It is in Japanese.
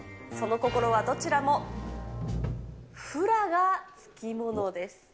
その心は、どちらもフラが付き物です。